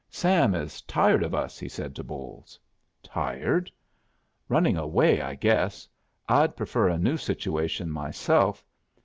"Sam is tired of us," he said to Bolles. "Tired?" "Running away, I guess. I'd prefer a new situation myself.